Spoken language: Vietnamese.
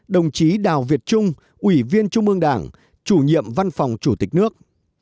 ba mươi đồng chí đào việt trung ủy viên trung ương đảng chủ nhiệm văn phòng chủ tịch nước